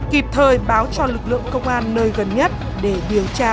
kịp thời báo cho lực lượng công an nơi gần nhất để điều tra truy bắt